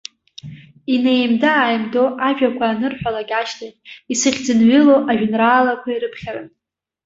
Инеимда-ааимдо ажәақәа анырҳәалак ашьҭахь, исыхьӡынҩылоу ажәеинраалақәа ирыԥхьарын.